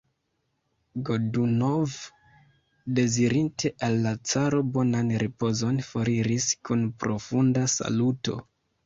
Godunov, dezirinte al la caro bonan ripozon, foriris kun profunda saluto.